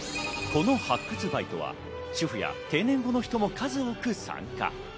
この発掘バイトは主婦や定年後の人も数多く参加。